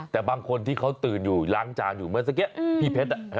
แต่บางคนที่เขาตื่นอยู่ล้างจานอยู่เมื่อสักกี้พี่เพชร